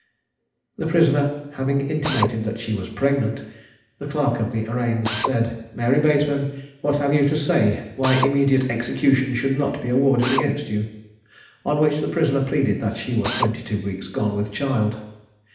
The prisoner having intimated that she was pregnant, the clerk of the arraigns said, "Mary Bateman, what have you to say, why immediate execution should not be awarded against you?" On which the prisoner pleaded that she was twenty two weeks gone with child.